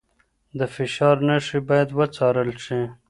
د فشار نښې باید وڅارل شي.